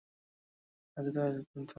তিনি সহস্রাধিক রানের কোঠায় পৌঁছতে ব্যর্থ হন।